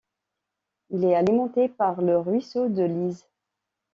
Il est alimenté par le ruisseau de l'Ise.